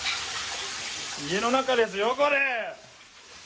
家の中ですよ、これ。